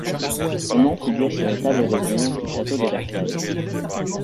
Son nom figure sur les tables de bronze du Château de Versailles.